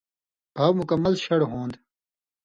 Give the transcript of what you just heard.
بھاؤ مکمل شڑ ہُوند